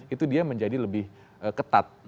itu dia menjadi lebih ketat